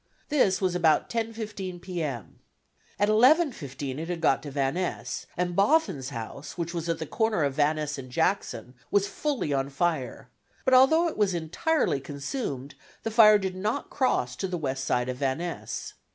This was about 10:15 P. M.. At 11:15 it had got to Van Ness, and Bothin's house, which was at the corner of Van Ness and Jackson, was fully on fire, but although it was entirely consumed, the fire did not cross to the west side of Van Ness.